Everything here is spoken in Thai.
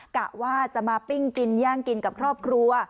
กะว่าจะมาปิ้งกินย่างกินกับครอบครัว